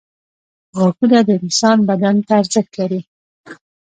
• غاښونه د انسان بدن ته ارزښت لري.